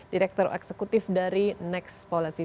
direktur eksekutif dari next policy